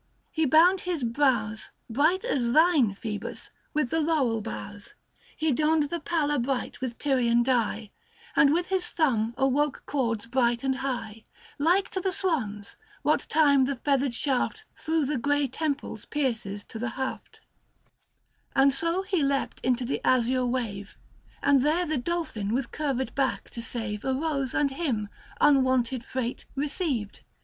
He bound his brows, Bright as thine, Phoebus ! with the laurel boughs ; He donned the Palla bright with Tyrian dye, And with his thumb awoke chords bright and high — 100 Like to the swan's, what time the feathered shaft Thro' the grey temples pierces to the haft — And so he leapt into the azure wave : And there the dolphin with curved back to save Arose, and him, unwonted freight, received.